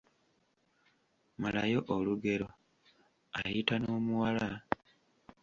Malayo olugero; Ayita n’omuwala …